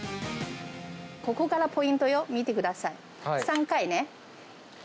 ここからポイントよ、見てください。